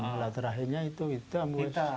dan latar akhirnya itu hitam